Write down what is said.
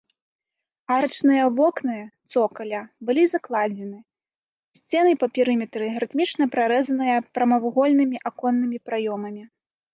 Арачныя вокны цокаля былі закладзены, сцены па перыметры рытмічна прарэзаныя прамавугольнымі аконнымі праёмамі.